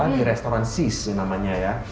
di restoran sis namanya ya